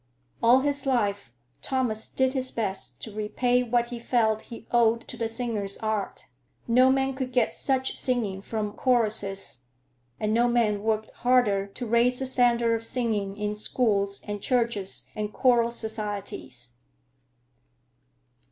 All his life Thomas did his best to repay what he felt he owed to the singer's art. No man could get such singing from choruses, and no man worked harder to raise the standard of singing in schools and churches and choral societies.